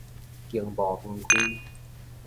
經貿園區